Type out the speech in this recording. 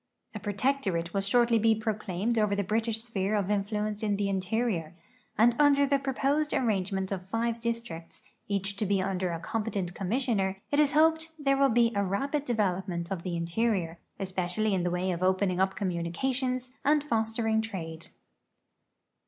A protectorate will shortly be proclaimed over the British sphere of influence in the interior, and under the proposed ar rangement of five districts, each to be under a competent com missioner, it is hoped there will be a rapid development of the interior, especially in the way of opening up communications and fostering trade.